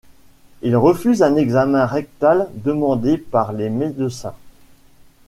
Il refuse un examen rectal demandé par les médecins.